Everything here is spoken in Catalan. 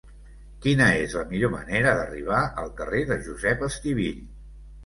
Quina és la millor manera d'arribar al carrer de Josep Estivill?